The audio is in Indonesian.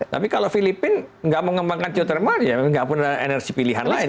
tapi kalau filipina tidak mau mengembangkan geotermal ya memang tidak punya energi pilihan lain